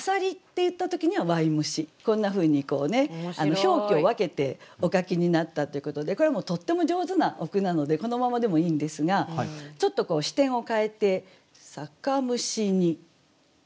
表記を分けてお書きになったということでこれはもうとっても上手なお句なのでこのままでもいいんですがちょっとこう視点を変えて「酒蒸しに」。